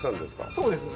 そうですね。